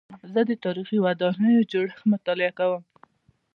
زه د تاریخي ودانیو جوړښت مطالعه کوم.